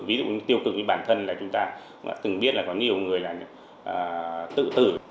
ví dụ tiêu cực với bản thân là chúng ta đã từng biết là có nhiều người tự tử